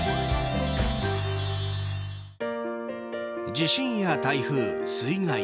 地震や台風、水害。